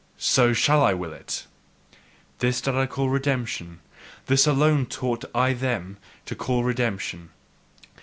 So shall I will it " This did I call redemption; this alone taught I them to call redemption.